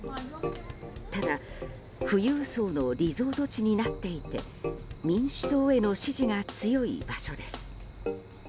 ただ、富裕層のリゾート地になっていて民主党への支持が強い場所です。